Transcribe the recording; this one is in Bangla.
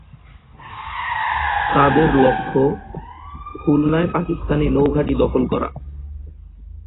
তাদের লক্ষ্য, খুলনায় পাকিস্তানি নৌঘাঁটি দখল করা।